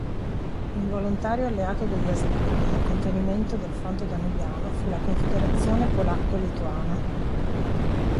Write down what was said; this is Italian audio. Involontario alleato degli Asburgo nel contenimento del fronte danubiano fu la Confederazione Polacco-Lituana.